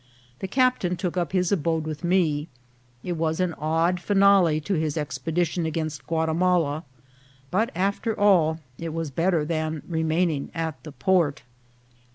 The captain took up his abode with me. It was an odd finale to his expedition against Guatimala ; but, after all, it was better than remaining at the port.